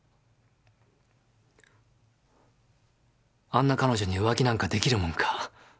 あんな彼女に浮気なんかできるもんか。